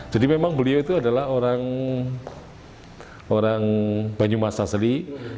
jadi memang beliau itu adalah orang banyumasaseli